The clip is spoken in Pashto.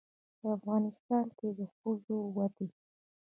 په افغانستان کې د ښځو د ودې